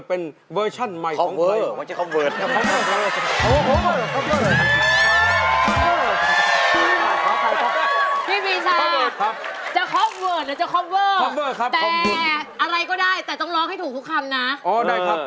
แต่อะไรก็ได้แต่ต้องร้องให้ถูกทุกคำนะ